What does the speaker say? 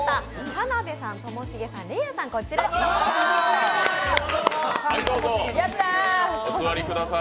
田辺さん、ともしげさん、れいあさん、こちらにお越しください。